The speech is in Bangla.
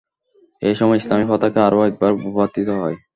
এ সময় ইসলামী পতাকা আরো একবার ভূপাতিত হয়।